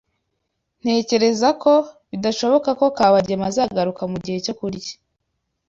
Ntekereza ko bidashoboka ko Kabagema azagaruka mugihe cyo kurya.